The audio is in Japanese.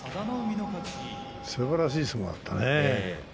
すばらしい相撲だったね。